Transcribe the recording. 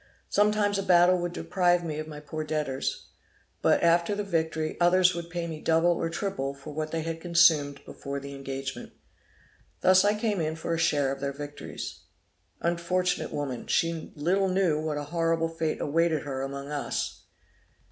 Sometimes a battle would deprive me of my poor debtors; but after the victory, others would pay me double or triple for what they had consumed before the engagement. Thus I came in for a share of their victories.' Unfortunate woman! she little knew what a horrible fate awaited her among us!